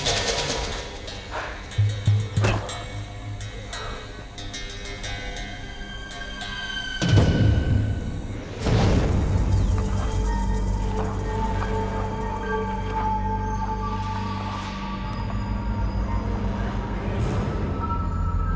อาทิตย์ที่เรือง่ายของหนึ่ง